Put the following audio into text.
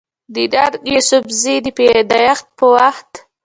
د ننګ يوسفزۍ د پېدايش پۀ وخت